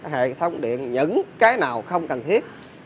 hệ thống điện những cái nào không cần thiết